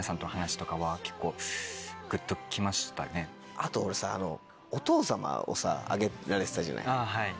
あと俺さお父様を挙げられてたじゃない。